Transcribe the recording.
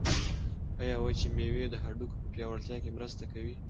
آیا وچې مېوې د هډوکو په پیاوړتیا کې مرسته کوي؟